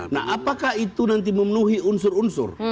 nah apakah itu nanti memenuhi unsur unsur